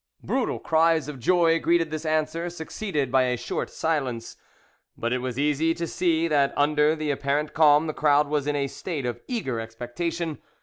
Brutal cries of joy greeted this answer, succeeded by a short silence, but it was easy to see that under the apparent calm the crowd was in a state of eager expectation.